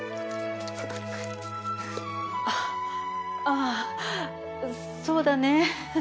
あっあぁそうだね。